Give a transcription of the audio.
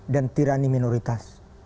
dan tirani minoritas